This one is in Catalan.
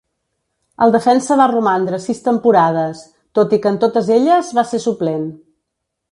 El defensa va romandre sis temporades, tot i que en totes elles va ser suplent.